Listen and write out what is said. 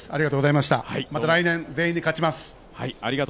また来年、全員で勝ちます。